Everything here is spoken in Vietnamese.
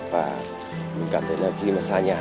và mình cảm thấy là khi mà xa nhà